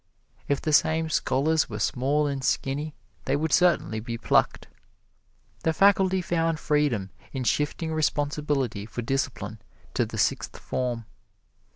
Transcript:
If the same scholars were small and skinny, they would certainly be plucked. The faculty found freedom in shifting responsibility for discipline to the Sixth Form.